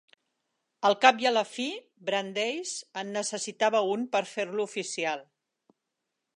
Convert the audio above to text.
Al cap i a la fi, Brandeis en necessitava un per fer-lo oficial.